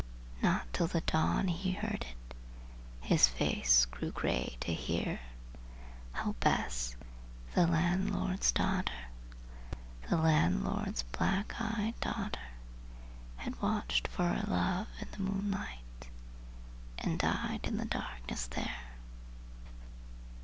Not till the dawn did he hear it, and his face grew grey to hear How Bess, the landlord's daughter, The landlord's black eyed daughter, Had watched for her love in the moonlight, and died in the darkness there.